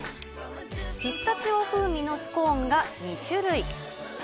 ピスタチオ風味のスコーンが２種類。